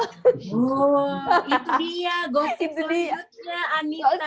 itu dia gosip selanjutnya anitta